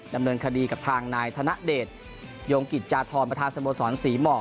ดำเนินคดีกับทางนายธนเดชโยงกิจจาธรประธานสโมสรศรีหมอก